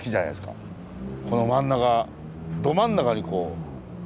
この真ん中ど真ん中にこう。